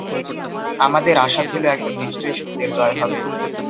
আমাদের আশা ছিল একদিন নিশ্চয়ই সত্যের জয় হবে।